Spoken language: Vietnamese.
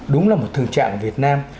đúng là một tình trạng việt nam